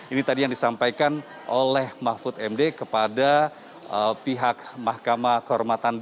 ini tadi yang disampaikan oleh mahfud md kepada pihak mahkamah kehormatan